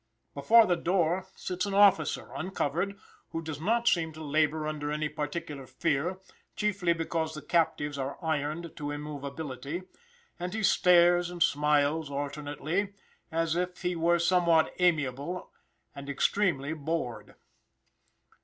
Before the door sits an officer, uncovered, who does not seem to labor under any particular fear, chiefly because the captives are ironed to immovability, and he stares and smiles alternately, as if he were somewhat amiable and extremely bored.